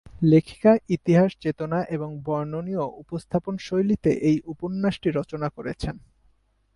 লেখিকা ইতিহাস চেতনা এবং বর্ণনীয় উপস্থাপন শৈলীতে এই উপন্যাসটি রচনা করেছেন।